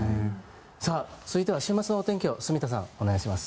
続いては週末のお天気を住田さん、お願いします。